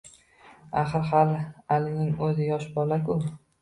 Axir hali Alining o`zi yosh bola-ku